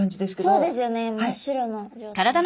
そうですよね真っ白の状態で。